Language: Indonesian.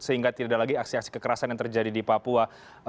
sehingga tidak ada lagi aksi aksi kekerasan yang terjadi di papua